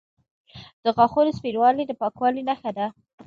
د غاښونو سپینوالی د پاکوالي نښه ده.